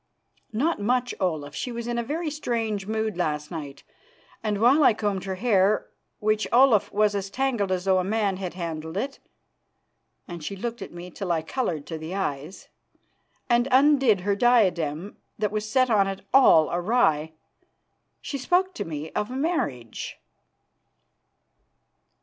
"Not much, Olaf. She was in a very strange mood last night, and while I combed her hair, which, Olaf, was as tangled as though a man had handled it," and she looked at me till I coloured to the eyes, "and undid her diadem, that was set on it all awry, she spoke to me of marriage."